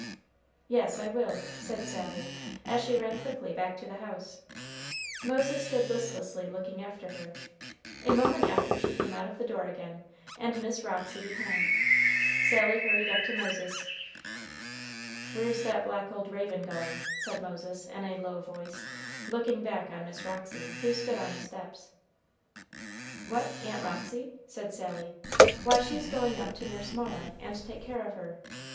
"Yes, I will," said Sally, as she ran quickly back to the house. Moses stood listlessly looking after her. A moment after she came out of the door again, and Miss Roxy behind. Sally hurried up to Moses. "Where's that black old raven going?" said Moses, in a low voice, looking back on Miss Roxy, who stood on the steps. "What, Aunt Roxy?" said Sally; "why, she's going up to nurse Mara, and take care of her. Mrs.